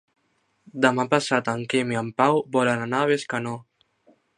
Demà passat en Quim i en Pau volen anar a Bescanó.